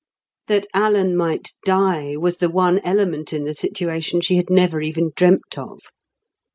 That Alan might die was the one element in the situation she had never even dreamt of.